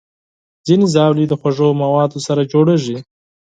ځینې ژاولې د خوږو موادو سره جوړېږي.